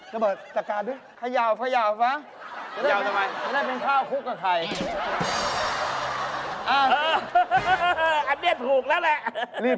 พี่บอร์นนี่เขาขาสุกตาทองเลย